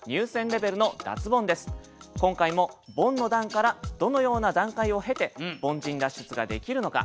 今回もボンの段からどのような段階を経て凡人脱出ができるのか。